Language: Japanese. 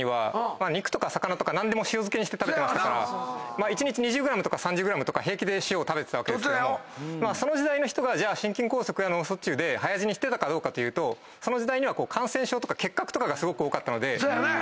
食べてましたから一日２０ｇとか３０ｇとか平気で塩を食べてたわけですけどその時代の人が心筋梗塞や脳卒中で早死にしてたかどうかというとその時代には感染症とか結核がすごく多かったので。